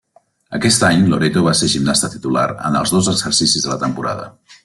Aquest any Loreto va ser gimnasta titular en els dos exercicis de la temporada.